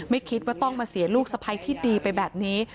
ไม่คิดว่าต้องมาเสียลูกสะพ้ายที่ดีไปแบบนี้